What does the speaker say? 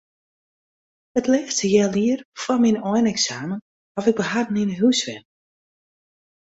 It lêste healjier foar myn eineksamen haw ik by harren yn 'e hûs wenne.